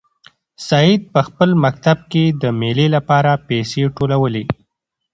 سعید په خپل مکتب کې د مېلې لپاره پیسې ټولولې.